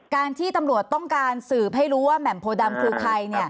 การที่ตำรวจต้องการสืบให้รู้ว่าแหม่มโพดำคือใคร